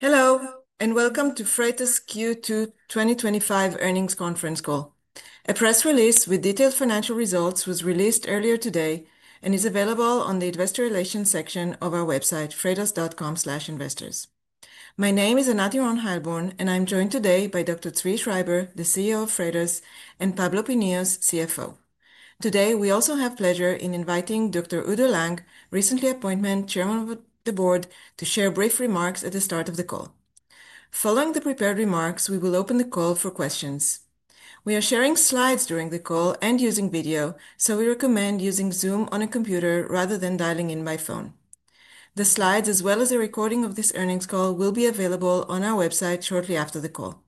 Hello and welcome to Freightos Q2 2025 Earnings Conference Call. A press release with detailed financial results was released earlier today and is available on the Investor Relations section of our website, freightos.com/investors. My name is Anat Earon-Heilborn, and I'm joined today by Dr. Zvi Schreiber, the CEO of Freightos, and Pablo Pinillos, CFO. Today, we also have the pleasure of inviting Dr. Udo Lange, recently appointed Chairman of the Board, to share brief remarks at the start of the call. Following the prepared remarks, we will open the call for questions. We are sharing slides during the call and using video, so we recommend using Zoom on a computer rather than dialing in by phone. The slides, as well as a recording of this earnings call, will be available on our website shortly after the call.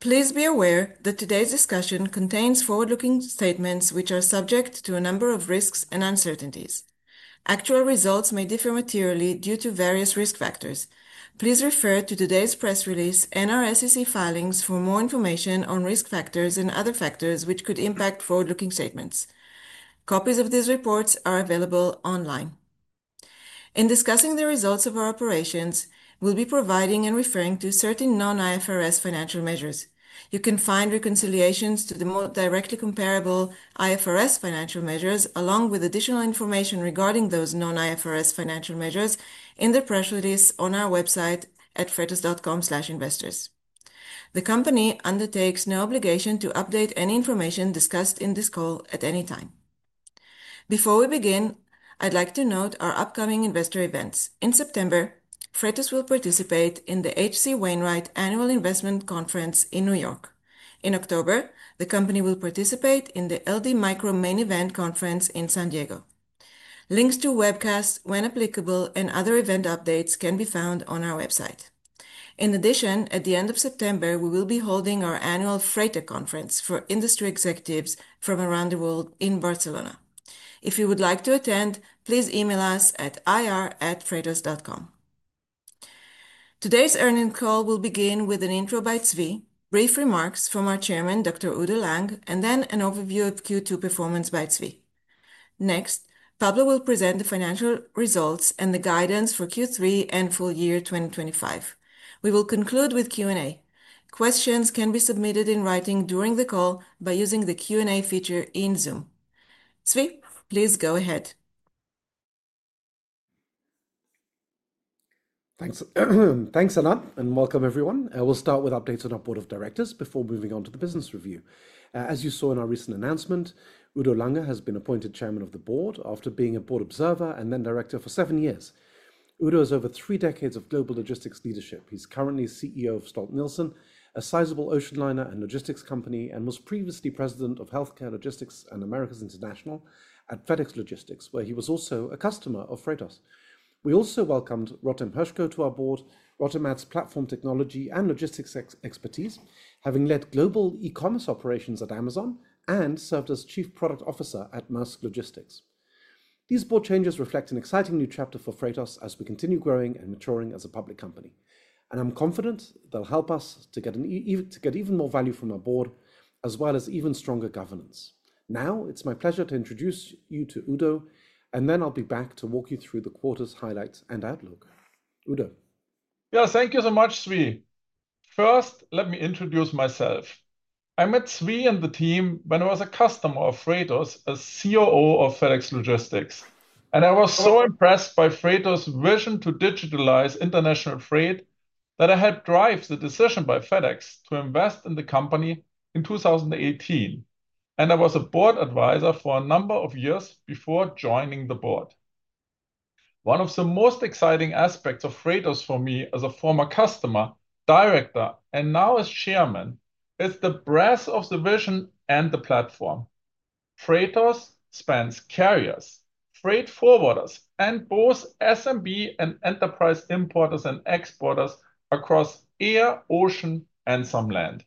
Please be aware that today's discussion contains forward-looking statements, which are subject to a number of risks and uncertainties. Actual results may differ materially due to various risk factors. Please refer to today's press release and our SEC filings for more information on risk factors and other factors which could impact forward-looking statements. Copies of these reports are available online. In discussing the results of our operations, we'll be providing and referring to certain non-IFRS financial measures. You can find reconciliations to the more directly comparable IFRS financial measures, along with additional information regarding those non-IFRS financial measures, in the press release on our website at freightos.com/investors. The company undertakes no obligation to update any information discussed in this call at any time. Before we begin, I'd like to note our upcoming investor events. In September, Freightos will participate in the HC Wainwright Annual Investment Conference in New York. In October, the company will participate in the LD Micro Main Event Conference in San Diego. Links to webcasts, when applicable, and other event updates can be found on our website. In addition, at the end of September, we will be holding our annual Freightos Conference for industry executives from around the world in Barcelona. If you would like to attend, please email us at ir@freightos.com. Today's earnings call will begin with an intro by Zvi, brief remarks from our Chairman, Dr. Udo Lange, and then an overview of Q2 performance by Zvi. Next, Pablo will present the financial results and the guidance for Q3 and full year 2025. We will conclude with Q&A. Questions can be submitted in writing during the call by using the Q&A feature in Zoom. Zvi, please go ahead. Thanks, Anat, and welcome, everyone. We'll start with updates on our Board of Directors before moving on to the Business Review. As you saw in our recent announcement, Udo Lange has been appointed Chairman of the Board after being a Board Observer and then Director for seven years. Udo has over three decades of global logistics leadership. He's currently CEO of Stolt Nielsen, a sizable ocean liner and logistics company, and was previously President of Healthcare Logistics and Americas International at FedEx Logistics, where he was also a customer of Freightos. We also welcomed Rotem Hershko to our board. Rotem adds platform technology and logistics expertise, having led global e-commerce operations at Amazon and served as Chief Product Officer at Maersk Logistics. These board changes reflect an exciting new chapter for Freightos as we continue growing and maturing as a public company. I'm confident they'll help us to get even more value from our board, as well as even stronger governance. Now, it's my pleasure to introduce you to Udo, and then I'll be back to walk you through the quarter's highlights and outlook. Udo. Yeah, thank you so much, Zvi. First, let me introduce myself. I met Zvi and the team when I was a customer of Freightos as COO of FedEx Logistics. I was so impressed by Freightos' vision to digitalize international freight that I helped drive the decision by FedEx to invest in the company in 2018. I was a board advisor for a number of years before joining the board. One of the most exciting aspects of Freightos for me as a former customer, director, and now as Chairman is the breadth of the vision and the platform. Freightos spans carriers, freight forwarders, and both SMB and enterprise importers and exporters across air, ocean, and some land.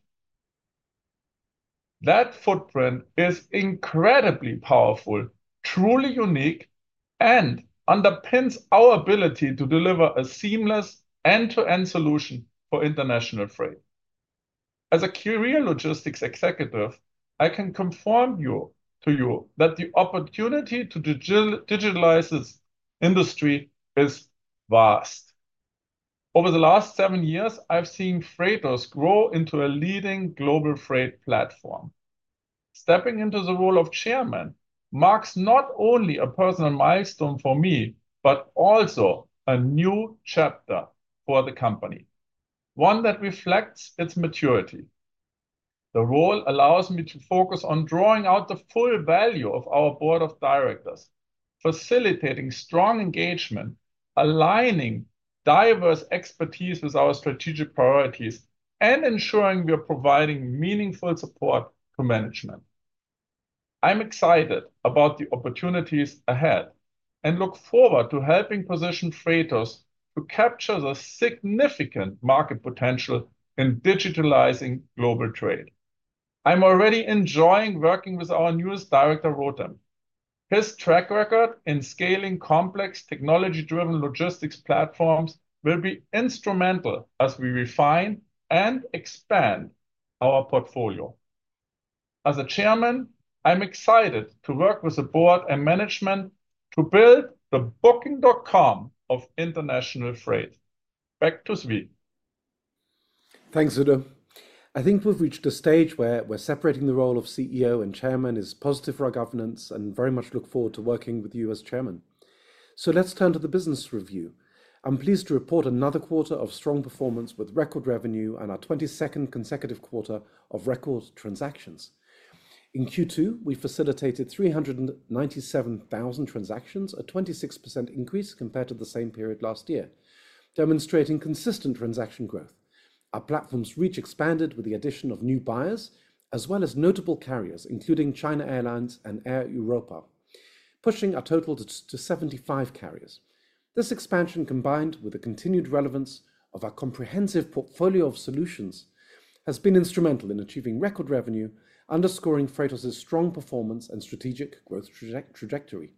That footprint is incredibly powerful, truly unique, and underpins our ability to deliver a seamless end-to-end solution for international freight. As a career logistics executive, I can confirm to you that the opportunity to digitalize this industry is vast. Over the last seven years, I've seen Freightos grow into a leading global freight platform. Stepping into the role of Chairman marks not only a personal milestone for me, but also a new chapter for the company, one that reflects its maturity. The role allows me to focus on drawing out the full value of our Board of Directors, facilitating strong engagement, aligning diverse expertise with our strategic priorities, and ensuring we are providing meaningful support to management. I'm excited about the opportunities ahead and look forward to helping position Freightos to capture the significant market potential in digitalizing global trade. I'm already enjoying working with our newest Director, Rotem. His track record in scaling complex technology-driven logistics platforms will be instrumental as we refine and expand our portfolio. As Chairman, I'm excited to work with the board and management to build the booking.com of international freight. Back to Zvi. Thanks, Udo. I think we've reached a stage where separating the role of CEO and Chairman is positive for our governance and very much look forward to working with you as Chairman. Let's turn to the Business Review. I'm pleased to report another quarter of strong performance with record revenue and our 22nd consecutive quarter of record transactions. In Q2, we facilitated 397,000 transactions, a 26% increase compared to the same period last year, demonstrating consistent transaction growth. Our platform's reach expanded with the addition of new buyers, as well as notable carriers, including China Airlines and Air Europa, pushing our total to 75 carriers. This expansion, combined with the continued relevance of our comprehensive portfolio of solutions, has been instrumental in achieving record revenue, underscoring Freightos' strong performance and strategic growth trajectory.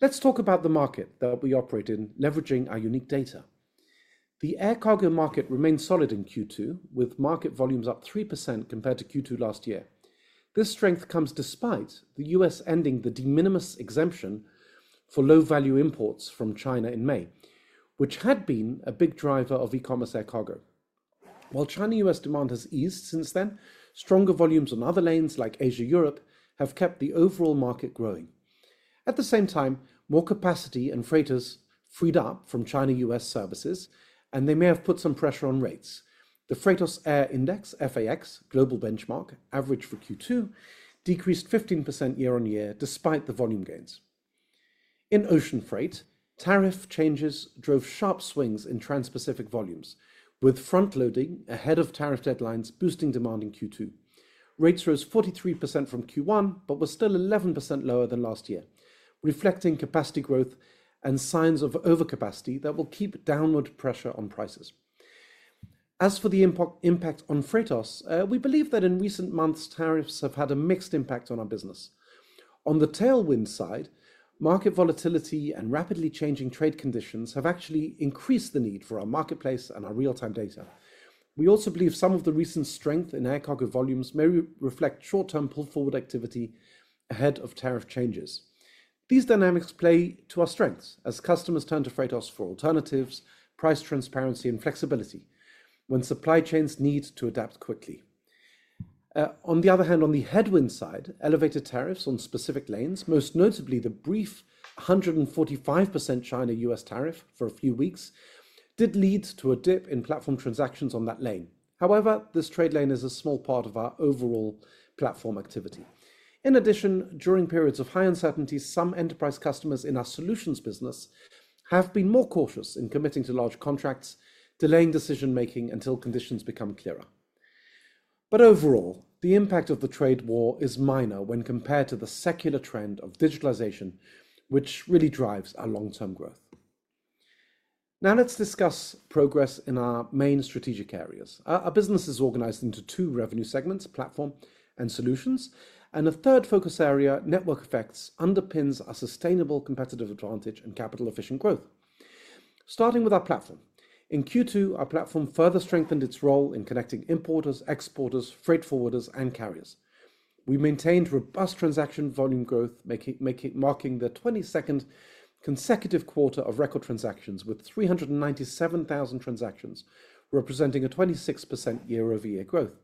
Let's talk about the market that we operate in, leveraging our unique data. The air cargo market remains solid in Q2, with market volumes up 3% compared to Q2 last year. This strength comes despite the U.S. ending the de minimis exemption for low-value imports from China in May, which had been a big driver of e-commerce air cargo. While China-U.S. demand has eased since then, stronger volumes on other lanes, like Asia-Europe, have kept the overall market growing. At the same time, more capacity in Freightos freed up from China-U.S. services, and they may have put some pressure on rates. The Freightos Air Index, FAX, global benchmark average for Q2 decreased 15% year-on-year despite the volume gains. In ocean freight, tariff changes drove sharp swings in transpacific volumes, with front-loading ahead of tariff deadlines, boosting demand in Q2. Rates rose 43% from Q1, but were still 11% lower than last year, reflecting capacity growth and signs of overcapacity that will keep downward pressure on prices. As for the impact on Freightos, we believe that in recent months, tariffs have had a mixed impact on our business. On the tailwind side, market volatility and rapidly changing trade conditions have actually increased the need for our marketplace and our real-time data. We also believe some of the recent strength in air cargo volumes may reflect short-term pull-forward activity ahead of tariff changes. These dynamics play to our strengths as customers turn to Freightos for alternatives, price transparency, and flexibility when supply chains need to adapt quickly. On the other hand, on the headwind side, elevated tariffs on specific lanes, most notably the brief 145% China-U.S. tariff for a few weeks, did lead to a dip in platform transactions on that lane. However, this trade lane is a small part of our overall platform activity. In addition, during periods of high uncertainty, some enterprise customers in our solutions business have been more cautious in committing to large contracts, delaying decision-making until conditions become clearer. Overall, the impact of the trade war is minor when compared to the secular trend of digitalization, which really drives our long-term growth. Now let's discuss progress in our main strategic areas. Our business is organized into two revenue segments: platform and solutions. A third focus area, network effects, underpins a sustainable competitive advantage and capital-efficient growth. Starting with our platform. In Q2, our platform further strengthened its role in connecting importers, exporters, freight forwarders, and carriers. We maintained robust transaction volume growth, marking the 22nd consecutive quarter of record transactions with 397,000 transactions, representing a 26% year-over-year growth.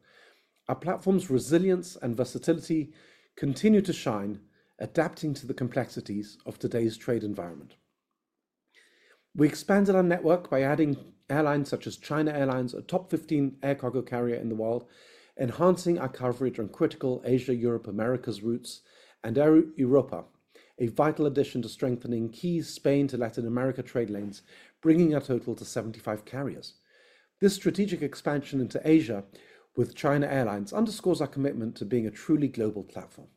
Our platform's resilience and versatility continue to shine, adapting to the complexities of today's trade environment. We expanded our network by adding airlines such as China Airlines, a top 15 air cargo carrier in the world, enhancing our coverage on critical Asia-Europe-Americas routes, and Air Europa, a vital addition to strengthening key Spain to Latin America trade lanes, bringing our total to 75 carriers. This strategic expansion into Asia with China Airlines underscores our commitment to being a truly global platform.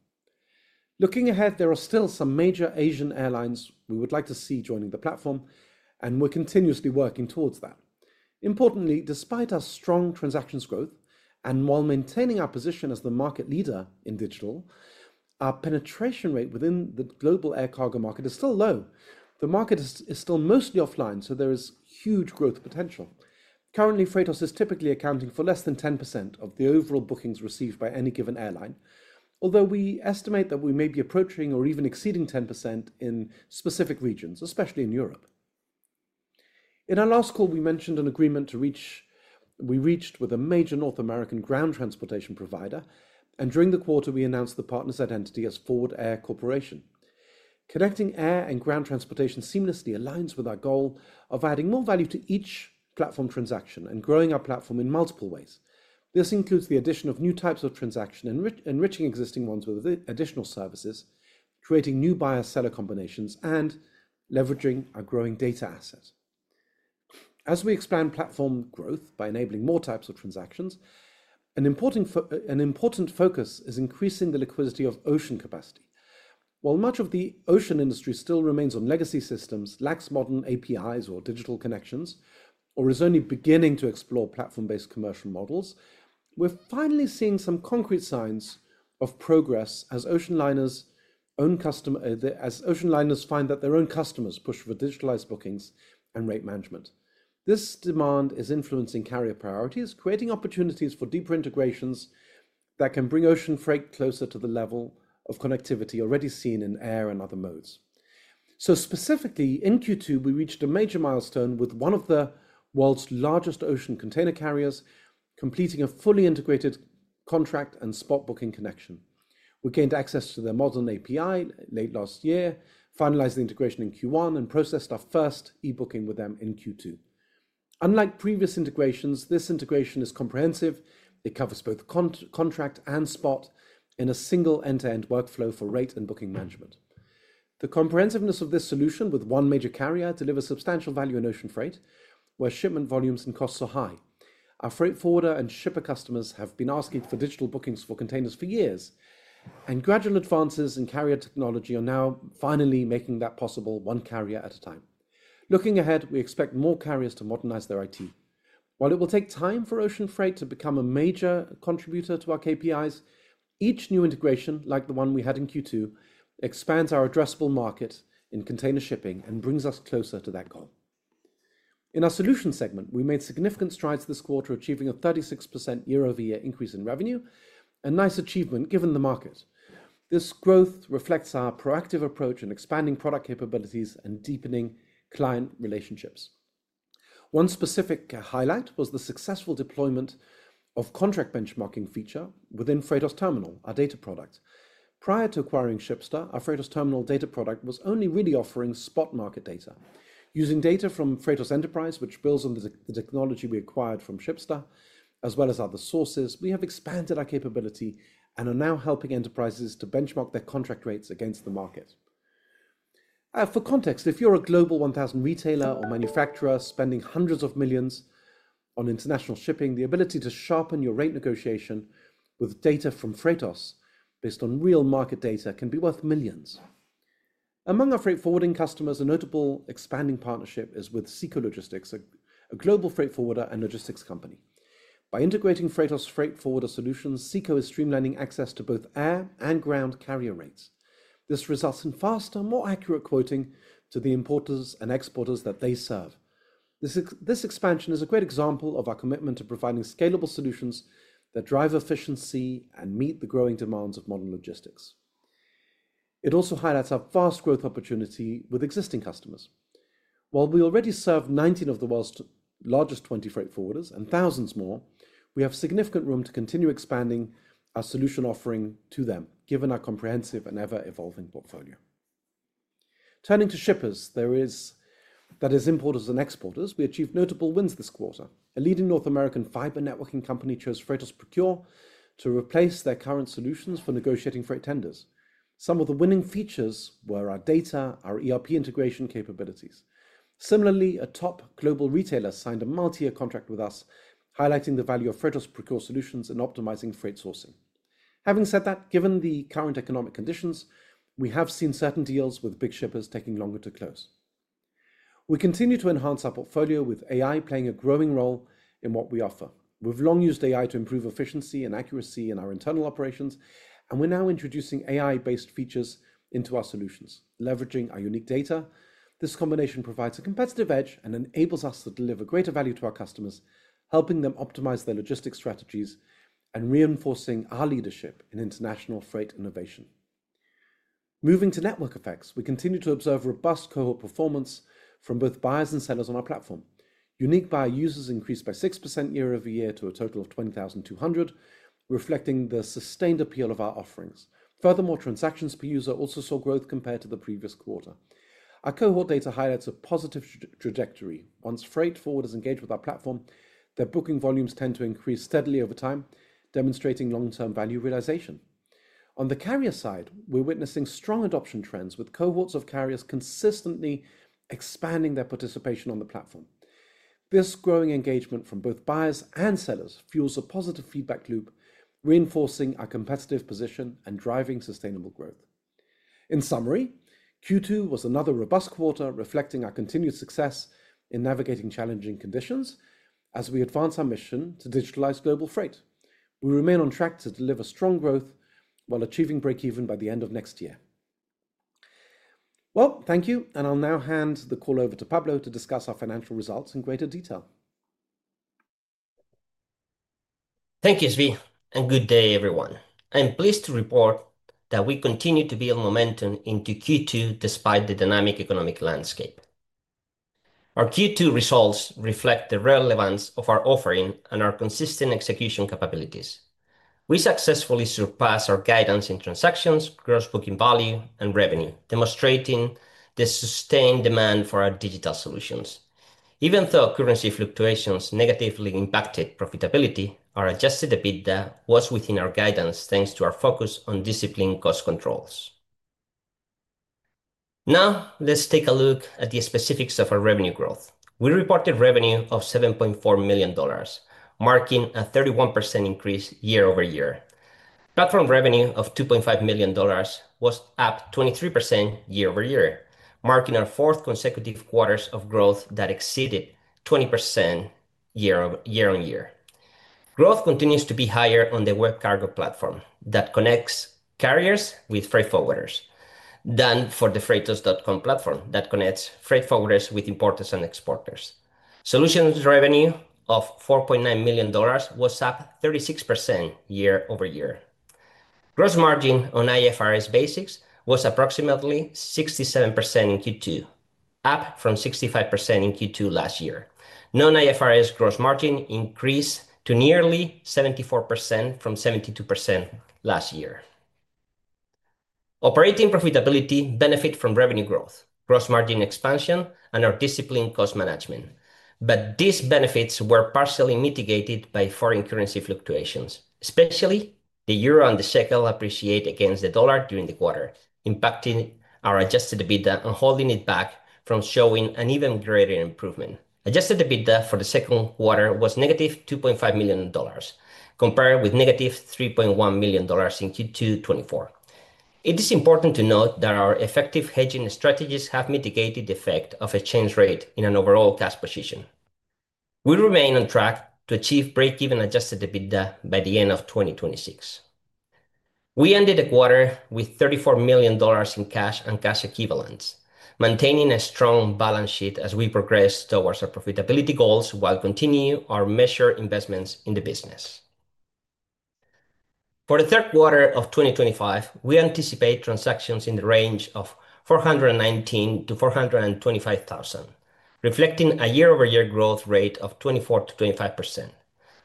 Looking ahead, there are still some major Asian airlines we would like to see joining the platform, and we're continuously working towards that. Importantly, despite our strong transactions growth, and while maintaining our position as the market leader in digital, our penetration rate within the global air cargo market is still low. The market is still mostly offline, so there is huge growth potential. Currently, Freightos is typically accounting for less than 10% of the overall bookings received by any given airline, although we estimate that we may be approaching or even exceeding 10% in specific regions, especially in Europe. In our last call, we mentioned an agreement we reached with a major North American ground transportation provider, and during the quarter, we announced the partner's identity as Ford Air Corporation. Connecting air and ground transportation seamlessly aligns with our goal of adding more value to each platform transaction and growing our platform in multiple ways. This includes the addition of new types of transactions, enriching existing ones with additional services, creating new buyer-seller combinations, and leveraging our growing data asset. As we expand platform growth by enabling more types of transactions, an important focus is increasing the liquidity of ocean capacity. While much of the ocean industry still remains on legacy systems, lacks modern APIs or digital connections, or is only beginning to explore platform-based commercial models, we are finally seeing some concrete signs of progress as ocean liners find that their own customers push for digitalized bookings and rate management. This demand is influencing carrier priorities, creating opportunities for deeper integrations that can bring ocean freight closer to the level of connectivity already seen in air and other modes. Specifically, in Q2, we reached a major milestone with one of the world's largest ocean container carriers completing a fully integrated contract and spot booking connection. We gained access to their modern API late last year, finalized the integration in Q1, and processed our first e-booking with them in Q2. Unlike previous integrations, this integration is comprehensive. It covers both contract and spot in a single end-to-end workflow for rate and booking management. The comprehensiveness of this solution with one major carrier delivers substantial value in ocean freight, where shipment volumes and costs are high. Our freight forwarder and shipper customers have been asking for digital bookings for containers for years, and gradual advances in carrier technology are now finally making that possible one carrier at a time. Looking ahead, we expect more carriers to modernize their IT. While it will take time for ocean freight to become a major contributor to our KPIs, each new integration, like the one we had in Q2, expands our addressable market in container shipping and brings us closer to that goal. In our solutions segment, we made significant strides this quarter, achieving a 36% year-over-year increase in revenue, a nice achievement given the market. This growth reflects our proactive approach in expanding product capabilities and deepening client relationships. One specific highlight was the successful deployment of the contract benchmarking feature within Freightos Terminal, our data product. Prior to acquiring Shipsta, our Freightos Terminal data product was only really offering spot market data. Using data from Freightos Enterprise, which builds on the technology we acquired from Shipsta, as well as other sources, we have expanded our capability and are now helping enterprises to benchmark their contract rates against the market. For context, if you're a global 1,000 retailer or manufacturer spending hundreds of millions on international shipping, the ability to sharpen your rate negotiation with data from Freightos based on real market data can be worth millions. Among our freight forwarding customers, a notable expanding partnership is with SEKO Logistics, a global freight forwarder and logistics company. By integrating Freightos freight forwarder solutions, SEKO is streamlining access to both air and ground carrier rates. This results in faster, more accurate quoting to the importers and exporters that they serve. This expansion is a great example of our commitment to providing scalable solutions that drive efficiency and meet the growing demands of modern logistics. It also highlights our fast growth opportunity with existing customers. While we already serve 19 of the world's largest 20 freight forwarders and thousands more, we have significant room to continue expanding our solution offering to them, given our comprehensive and ever-evolving portfolio. Turning to shippers, that is, importers and exporters, we achieved notable wins this quarter. A leading North American fiber networking company chose Freightos Procure to replace their current solutions for negotiating freight tenders. Some of the winning features were our data, our ERP integration capabilities. Similarly, a top global retailer signed a multi-year contract with us, highlighting the value of Freightos Procure solutions in optimizing freight sourcing. Having said that, given the current economic conditions, we have seen certain deals with big shippers taking longer to close. We continue to enhance our portfolio with AI playing a growing role in what we offer. We've long used AI to improve efficiency and accuracy in our internal operations, and we're now introducing AI-based features into our solutions, leveraging our unique data. This combination provides a competitive edge and enables us to deliver greater value to our customers, helping them optimize their logistics strategies and reinforcing our leadership in international freight innovation. Moving to network effects, we continue to observe robust cohort performance from both buyers and sellers on our platform. Unique buyer users increased by 6% year-over-year to a total of 20,200, reflecting the sustained appeal of our offerings. Furthermore, transactions per user also saw growth compared to the previous quarter. Our cohort data highlights a positive trajectory. Once freight forwarders engage with our platform, their booking volumes tend to increase steadily over time, demonstrating long-term value realization. On the carrier side, we're witnessing strong adoption trends, with cohorts of carriers consistently expanding their participation on the platform. This growing engagement from both buyers and sellers fuels a positive feedback loop, reinforcing our competitive position and driving sustainable growth. In summary, Q2 was another robust quarter, reflecting our continued success in navigating challenging conditions as we advance our mission to digitalize global freight. We remain on track to deliver strong growth while achieving break-even by the end of next year. Thank you, and I'll now hand the call over to Pablo to discuss our financial results in greater detail. Thank you, Zvi, and good day, everyone. I'm pleased to report that we continue to build momentum into Q2 despite the dynamic economic landscape. Our Q2 results reflect the relevance of our offering and our consistent execution capabilities. We successfully surpassed our guidance in transactions, gross booking value, and revenue, demonstrating the sustained demand for our digital solutions. Even though currency fluctuations negatively impacted profitability, our adjusted EBITDA was within our guidance thanks to our focus on disciplined cost controls. Now, let's take a look at the specifics of our revenue growth. We reported revenue of $7.4 million, marking a 31% increase year-over-year. Platform revenue of $2.5 million was up 23% year-over-year, marking our fourth consecutive quarters of growth that exceeded 20% year-on-year. Growth continues to be higher on the WebCargo platform that connects carriers with freight forwarders than for the Freightos.com platform that connects freight forwarders with importers and exporters. Solutions revenue of $4.9 million was up 36% year-over-year. Gross margin on IFRS basis was approximately 67% in Q2, up from 65% in Q2 last year. Non-IFRS gross margin increased to nearly 74% from 72% last year. Operating profitability benefits from revenue growth, gross margin expansion, and our disciplined cost management. These benefits were partially mitigated by foreign currency fluctuations, especially the euro and the shekel appreciating against the dollar during the quarter, impacting our adjusted EBITDA and holding it back from showing an even greater improvement. Adjusted EBITDA for the second quarter was negative $2.5 million, compared with negative $3.1 million in Q2 2024. It is important to note that our effective hedging strategies have mitigated the effect of exchange rate in an overall cash position. We remain on track to achieve break-even adjusted EBITDA by the end of 2026. We ended the quarter with $34 million in cash and cash equivalents, maintaining a strong balance sheet as we progress towards our profitability goals while continuing our measured investments in the business. For the third quarter of 2025, we anticipate transactions in the range of 419,000-425,000, reflecting a year-over-year growth rate of 24%-25%.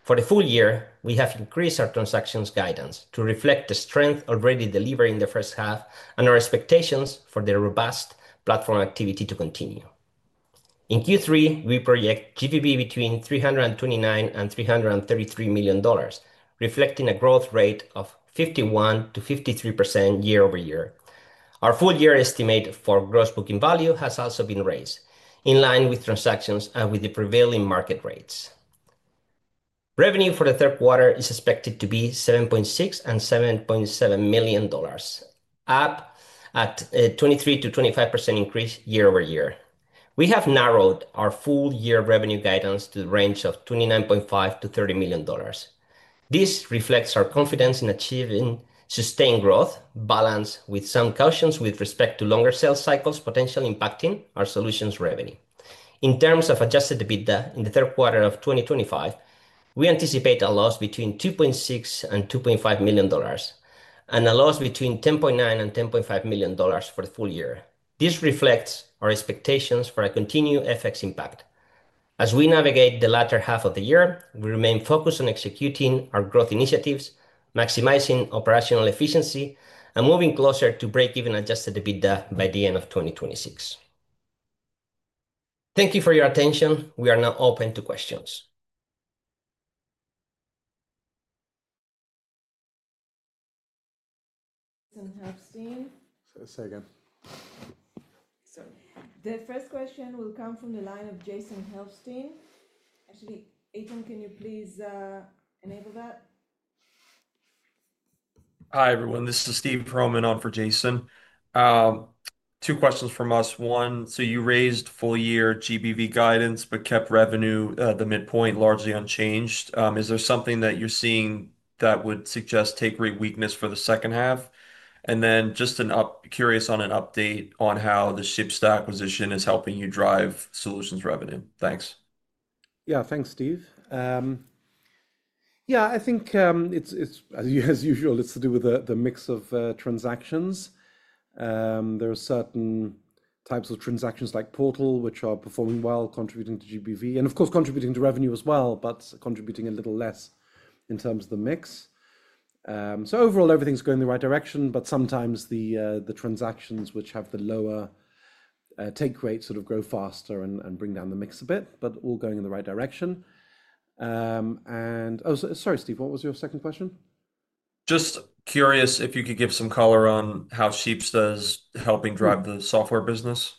For the full year, we have increased our transactions guidance to reflect the strength already delivered in the first half and our expectations for the robust platform activity to continue. In Q3, we project GVB between $329 million and $333 million, reflecting a growth rate of 51%-53% year-over-year. Our full year estimate for gross booking value has also been raised, in line with transactions and with the prevailing market rates. Revenue for the third quarter is expected to be between $7.6 million and $7.7 million, up at a 23%- 25% increase year-over-year. We have narrowed our full year revenue guidance to the range of $29.5 million-$30 million. This reflects our confidence in achieving sustained growth, balanced with some cautions with respect to longer sales cycles potentially impacting our solutions revenue. In terms of adjusted EBITDA in the third quarter of 2025, we anticipate a loss between $2.6 million and $2.5 million and a loss between $10.9 million and $10.5 million for the full year. This reflects our expectations for a continued FX impact. As we navigate the latter half of the year, we remain focused on executing our growth initiatives, maximizing operational efficiency, and moving closer to break-even adjusted EBITDA by the end of 2026. Thank you for your attention. We are now open to questions. Jason Helfstein. Sorry, again. The first question will come from the line of Jason Helfstein. Actually, Aitan, can you please move about? Hi, everyone. This is Steve Perlman on for Jason. Two questions from us. One, you raised full-year GBV guidance, but kept revenue at the midpoint largely unchanged. Is there something that you're seeing that would suggest take rate weakness for the second half? I'm just curious on an update on how the Shipsta acquisition is helping you drive solutions revenue. Thanks. Yeah, thanks, Steve. I think it's, as usual, it's to do with the mix of transactions. There are certain types of transactions like Portal, which are performing well, contributing to GVB, and of course, contributing to revenue as well, but contributing a little less in terms of the mix. Overall, everything's going in the right direction, but sometimes the transactions which have the lower take rate sort of grow faster and bring down the mix a bit. All going in the right direction. Oh, sorry, Steve, what was your second question? Just curious if you could give some color on how Shipsta is helping drive the software business.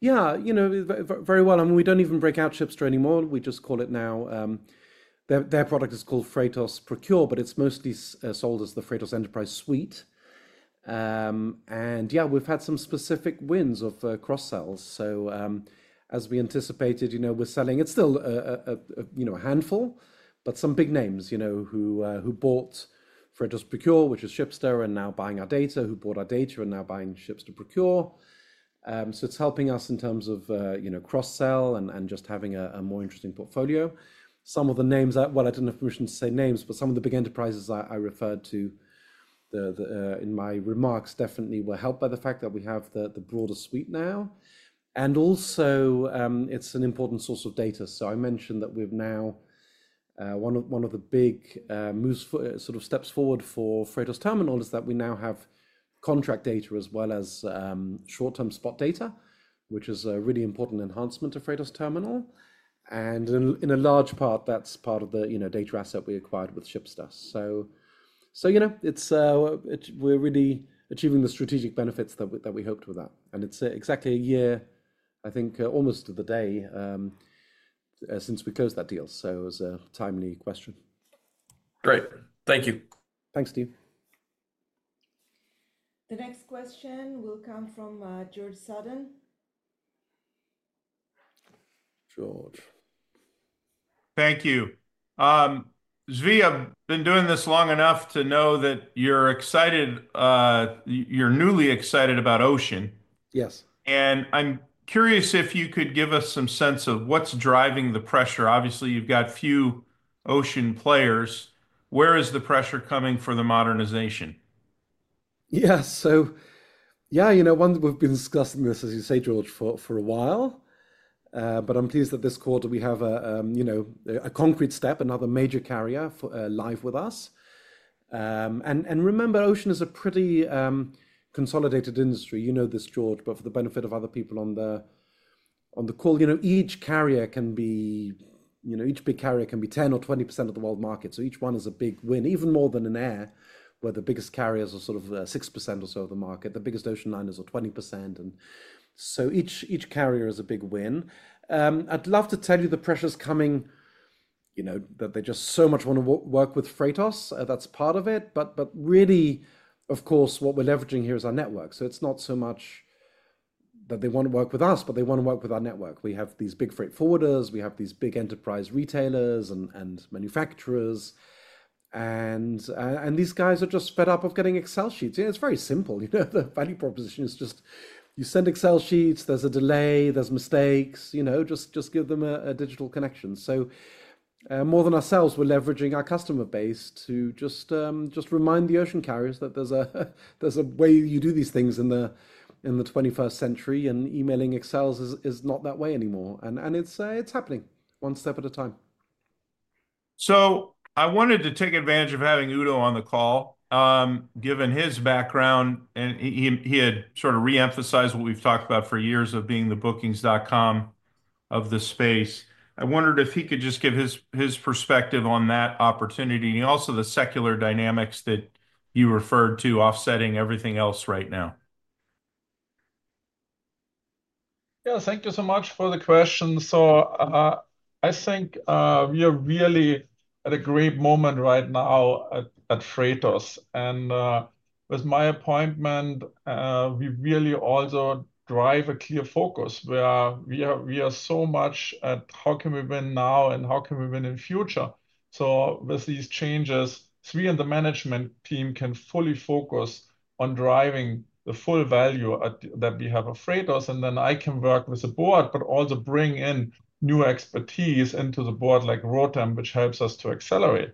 Yeah, you know, very well. I mean, we don't even break out Shipsta anymore. We just call it now, their product is called Freightos Procure, but it's mostly sold as the Freightos Enterprise Suite. Yeah, we've had some specific wins of cross-sells. As we anticipated, you know, we're selling, it's still a handful, but some big names, you know, who bought Freightos Procure, which is Shipsta, and now buying our data, who bought our data and now buying Shipsta Procure. It's helping us in terms of cross-sell and just having a more interesting portfolio. Some of the names, I don't have permission to say names, but some of the big enterprises I referred to in my remarks definitely were helped by the fact that we have the broader suite now. It's an important source of data. I mentioned that we've now, one of the big moves for sort of steps forward for Freightos Terminal is that we now have contract data as well as short-term spot data, which is a really important enhancement of Freightos Terminal. In a large part, that's part of the data asset we acquired with Shipsta. We're really achieving the strategic benefits that we hoped for that. It's exactly a year, I think, almost to the day since we closed that deal. It was a timely question. Great. Thank you. Thanks, Steve. The next question will come from George Sutton. George. Thank you. Zvi, I've been doing this long enough to know that you're excited, you're newly excited about ocean. Yes. I'm curious if you could give us some sense of what's driving the pressure. Obviously, you've got few ocean players. Where is the pressure coming for the modernization? Yeah, you know, we've been discussing this, as you say, George, for a while. I'm pleased that this quarter we have a concrete step, another major carrier live with us. Remember, ocean is a pretty consolidated industry. You know this, George, but for the benefit of other people on the call, each carrier can be, you know, each big carrier can be 10% or 20% of the world market. Each one is a big win, even more than in air, where the biggest carriers are sort of 6% or so of the market. The biggest ocean liners are 20%, so each carrier is a big win. I'd love to tell you the pressure's coming, that they just so much want to work with Freightos. That's part of it. Really, of course, what we're leveraging here is our network. It's not so much that they want to work with us, but they want to work with our network. We have these big freight forwarders. We have these big enterprise retailers and manufacturers. These guys are just fed up of getting Excel sheets. It's very simple. The value proposition is just you send Excel sheets, there's a delay, there's mistakes, just give them a digital connection. More than ourselves, we're leveraging our customer base to just remind the ocean carriers that there's a way you do these things in the 21st century, and emailing Excels is not that way anymore. It's happening, one step at a time. I wanted to take advantage of having Udo on the call, given his background, and he had sort of reemphasized what we've talked about for years of being the bookings.com of the space. I wondered if he could just give his perspective on that opportunity, and also the secular dynamics that you referred to offsetting everything else right now. Yeah, thank you so much for the question. I think we are really at a great moment right now at Freightos. With my appointment, we really also drive a clear focus where we are so much at how can we win now and how can we win in the future. With these changes, Zvi and the management team can fully focus on driving the full value that we have at Freightos, and then I can work with the board, but also bring in new expertise into the board like Rotem, which helps us to accelerate.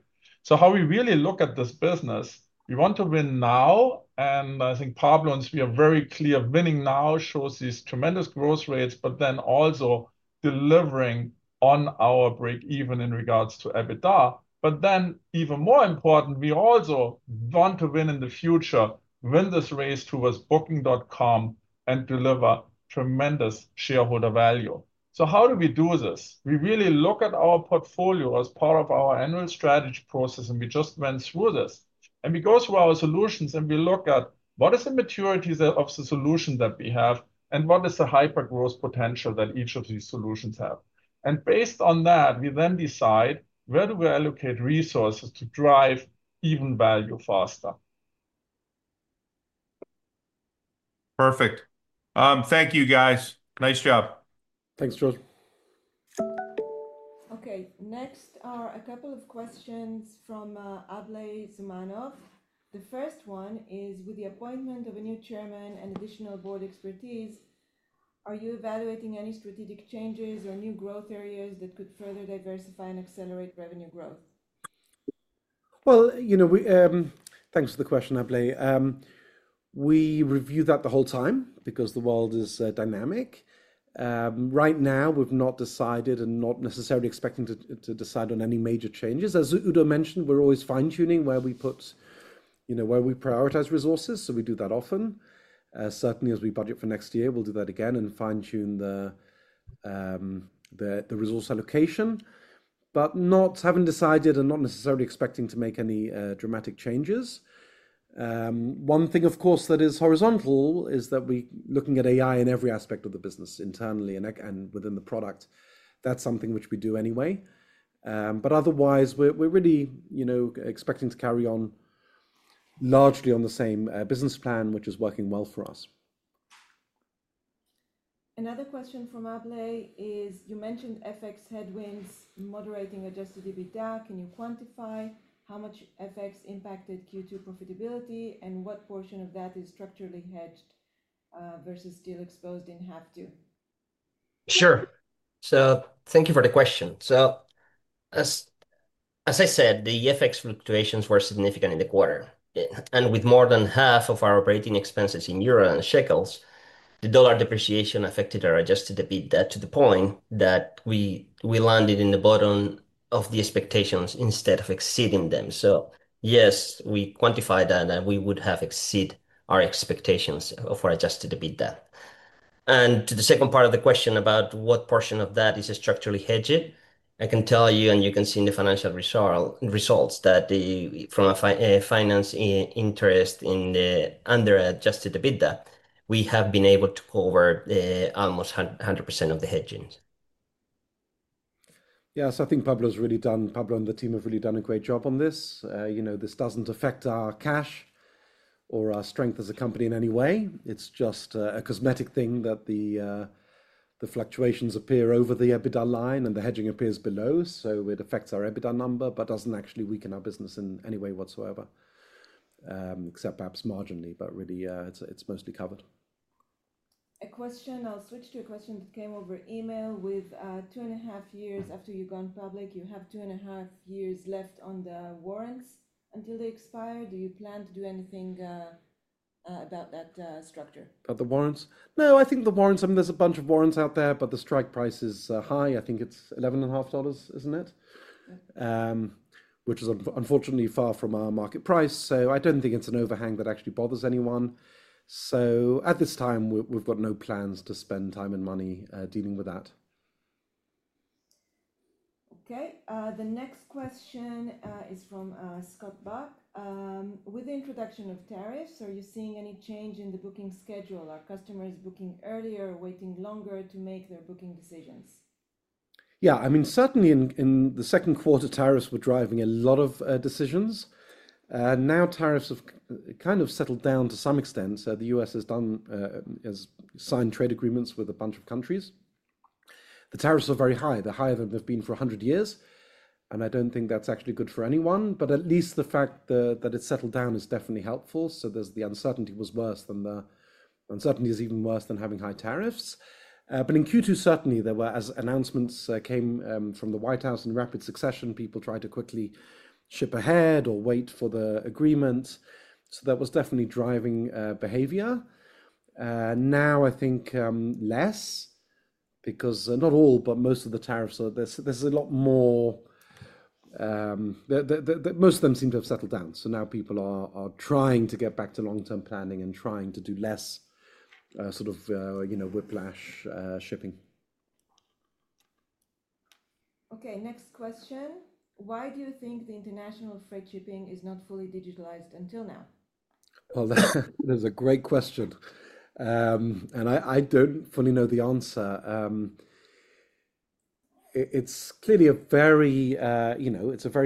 How we really look at this business, we want to win now, and I think Pablo and Zvi are very clear: winning now shows these tremendous growth rates, but then also delivering on our break-even in regards to EBITDA. Even more important, we also want to win in the future, win this race towards booking.com and deliver tremendous shareholder value. How do we do this? We really look at our portfolio as part of our annual strategy process, and we just went through this. We go through our solutions, and we look at what is the maturity of the solution that we have, and what is the hyper-growth potential that each of these solutions have. Based on that, we then decide where do we allocate resources to drive even value faster. Perfect. Thank you, guys. Nice job. Thanks, George. Okay, next are a couple of questions from Able Zemanov. The first one is, with the appointment of a new Chairman and additional board expertise, are you evaluating any strategic changes or new growth areas that could further diversify and accelerate revenue growth? Thank you for the question, Able. We review that the whole time because the world is dynamic. Right now, we've not decided and not necessarily expecting to decide on any major changes. As Udo mentioned, we're always fine-tuning where we put, you know, where we prioritize resources. We do that often. Certainly, as we budget for next year, we'll do that again and fine-tune the resource allocation. Not having decided and not necessarily expecting to make any dramatic changes. One thing, of course, that is horizontal is that we're looking at AI in every aspect of the business internally and within the product. That's something which we do anyway. Otherwise, we're really, you know, expecting to carry on largely on the same business plan, which is working well for us. Another question from Able is, you mentioned FX headwinds moderating adjusted EBITDA. Can you quantify how much FX impacted Q2 profitability and what portion of that is structurally hedged versus still exposed in FX? Sure. Thank you for the question. As I said, the FX fluctuations were significant in the quarter. With more than half of our operating expenses in euro and shekels, the dollar depreciation affected our adjusted EBITDA to the point that we landed in the bottom of the expectations instead of exceeding them. Yes, we quantified that and we would have exceeded our expectations of our adjusted EBITDA. To the second part of the question about what portion of that is structurally hedged, I can tell you, and you can see in the financial results that from a finance interest under adjusted EBITDA, we have been able to cover almost 100% of the hedging. I think Pablo's really done, Pablo and the team have really done a great job on this. This doesn't affect our cash or our strength as a company in any way. It's just a cosmetic thing that the fluctuations appear over the EBITDA line and the hedging appears below. It affects our EBITDA number but doesn't actually weaken our business in any way whatsoever, except perhaps marginally, but really, it's mostly covered. A question, I'll switch to a question that came over email. With two and a half years after you've gone public, you have two and a half years left on the warrants until they expire. Do you plan to do anything about that structure? About the warrants? No, I think the warrants, I mean, there's a bunch of warrants out there, but the strike price is high. I think it's $11.50, isn't it? Which is unfortunately far from our market price. I don't think it's an overhang that actually bothers anyone. At this time, we've got no plans to spend time and money dealing with that. Okay, the next question is from Scott Buck. With the introduction of tariffs, are you seeing any change in the booking schedule? Are customers booking earlier or waiting longer to make their booking decisions? Yeah, I mean, certainly in the second quarter, tariffs were driving a lot of decisions. Now tariffs have kind of settled down to some extent. The U.S. has signed trade agreements with a bunch of countries. The tariffs are very high. They're higher than they've been for 100 years. I don't think that's actually good for anyone. At least the fact that it's settled down is definitely helpful. The uncertainty was worse; the uncertainty is even worse than having high tariffs. In Q2, certainly there were, as announcements came from the White House in rapid succession, people tried to quickly ship ahead or wait for the agreement. That was definitely driving behavior. Now I think less because not all, but most of the tariffs, there's a lot more, most of them seem to have settled down. Now people are trying to get back to long-term planning and trying to do less sort of whiplash shipping. Okay, next question. Why do you think the international freight shipping is not fully digitalized until now? That is a great question. I don't fully know the answer. It's clearly a very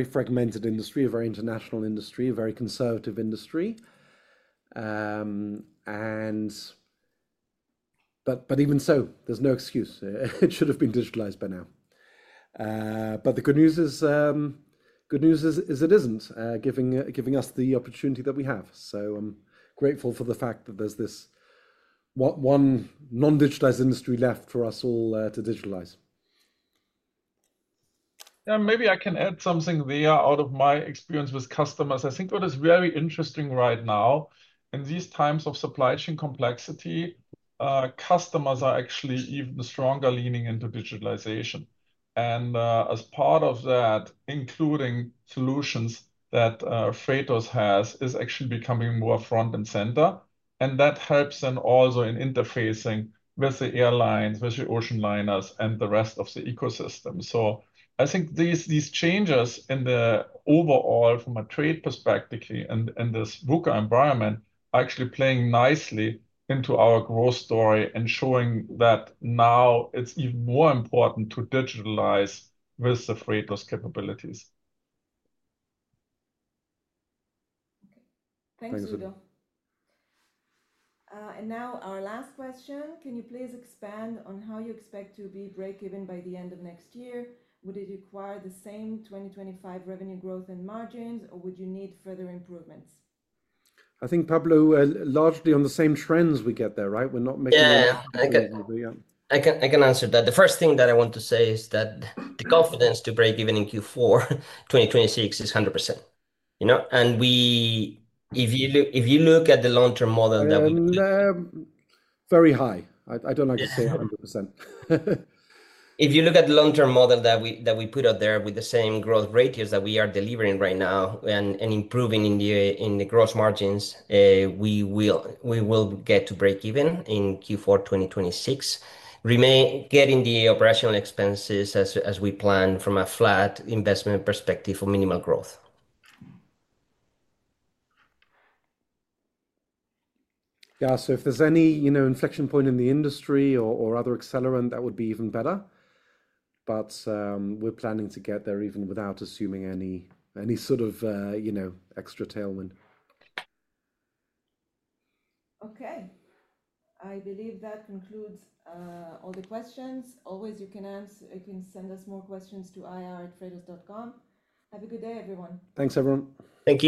fragmented industry, a very international industry, a very conservative industry. Even so, there's no excuse. It should have been digitalized by now. The good news is it isn't, giving us the opportunity that we have. I'm grateful for the fact that there's this one non-digitalized industry left for us all to digitalize. Maybe I can add something there out of my experience with customers. I think what is very interesting right now in these times of supply chain complexity, customers are actually even stronger leaning into digitalization. As part of that, including solutions that Freightos has, is actually becoming more front and center. That helps them also in interfacing with the airlines, with the ocean liners, and the rest of the ecosystem. I think these changes in the overall, from a trade perspective, in this VUCA environment are actually playing nicely into our growth story and showing that now it's even more important to digitalize with the Freightos capabilities. Thanks, Udo. Now our last question. Can you please expand on how you expect to be break-even by the end of next year? Would it require the same 2025 revenue growth and margins, or would you need further improvements? I think, Pablo, largely on the same trends we get there, right? We're not making any upgrades I can answer that. The first thing that I want to say is that the confidence to break even in Q4 2026 is 100%. You know, if you look at the long-term model that we. Very high. I don't like to say 100%. If you look at the long-term model that we put out there with the same growth ratios that we are delivering right now and improving in the gross margins, we will get to break even in Q4 2026, getting the operational expenses as we plan from a flat investment perspective for minimal growth. If there's any inflection point in the industry or other accelerant, that would be even better. We're planning to get there even without assuming any sort of extra tailwind. Okay, I believe that concludes all the questions. As always, you can send us more questions to ir@freightos.com. Have a good day, everyone. Thanks, everyone. Thank you.